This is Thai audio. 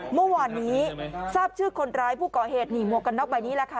เมื่อวานนี้ทราบชื่อคนร้ายผู้ก่อเหตุหนีหมวกกันน็อกใบนี้แหละค่ะ